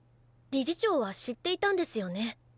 理事長は知っていたんですよね。